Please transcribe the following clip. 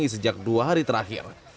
sejak dua hari terakhir